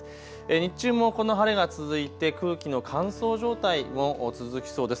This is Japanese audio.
日中もこの晴れが続いて空気の乾燥状態も続きそうです。